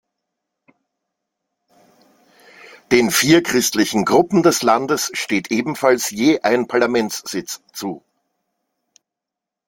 Den vier christlichen Gruppen des Landes steht ebenfalls je ein Parlamentssitz zu.